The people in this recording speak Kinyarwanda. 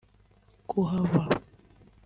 kuhava